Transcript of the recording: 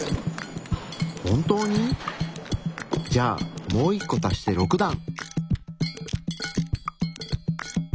本当に⁉じゃあもう１個足して６段！